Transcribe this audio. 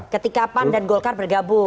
ketika pan dan golkar bergabung